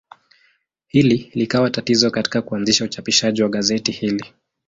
Hili likawa tatizo katika kuanzisha uchapishaji wa gazeti hili.